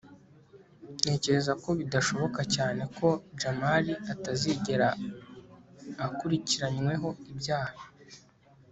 ntekereza ko bidashoboka cyane ko jamali atazigera akurikiranyweho ibyaha